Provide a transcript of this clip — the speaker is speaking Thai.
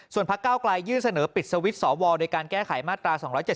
พักเก้าไกลยื่นเสนอปิดสวิตช์สวโดยการแก้ไขมาตรา๒๗๒